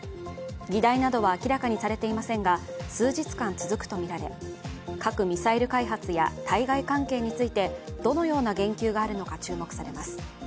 議題などは明らかにされていませんが、数日間続くとみられ、核・ミサイル開発や対外関係についてどのような言及があるのか注目されます。